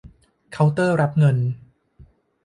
เคาน์เตอร์รับเงิน